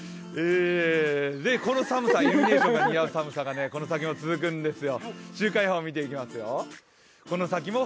この寒さイルミネーションがに寒さがこの先も続くんですよ。